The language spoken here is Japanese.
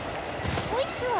よいしょ。